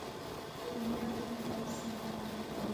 رومیان د کباب سره خوند کوي